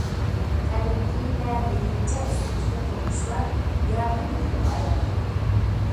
قەدىمكى ۋە مىللىيچە ئۇسلۇبتىكى قۇرۇلۇشلار يارقىن نۇقتىغا ئايلاندى.